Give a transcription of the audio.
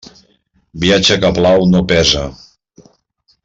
Viatge que plau, no pesa.